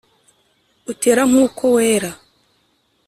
utera nk’uko wera